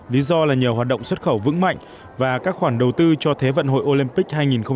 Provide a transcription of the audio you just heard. lý do là nhờ hoạt động xuất khẩu vững mạnh và các khoản đầu tư cho thế vận hội olympic hai nghìn hai mươi